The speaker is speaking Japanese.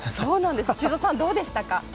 修造さんどうでしたか？